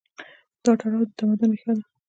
دا تړاو د تمدن ریښه ده.